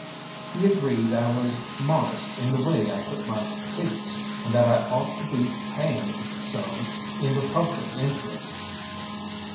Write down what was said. He agreed I was modest in the way I put my case, and that I ought to be hanged some in the public interest.